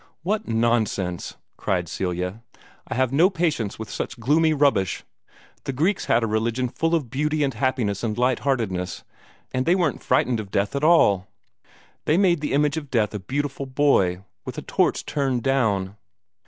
"What nonsense!" cried Celia. "I have no patience with such gloomy rubbish. The Greeks had a religion full of beauty and happiness and light heartedness, and they weren't frightened of death at all. They made the image of death a beautiful boy, with a torch turned down.